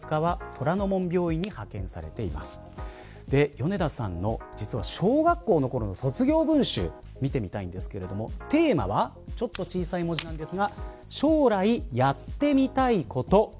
米田さんの小学校のころの卒業文集を見てみたいと思うんですけどテーマはちょっと小さい文字なんですが将来やってみたいこと。